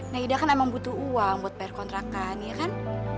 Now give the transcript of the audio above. neda kan emang butuh uang buat pr kontrakan ya kan